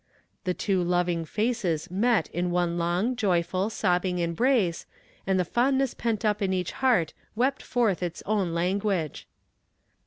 The two loving faces met in one long, joyful, sobbing embrace, and the fondness pent up in each heart wept forth its own language.